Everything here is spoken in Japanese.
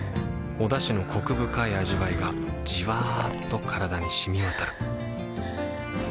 おだしのコク深い味わいがじわっと体に染み渡るはぁ。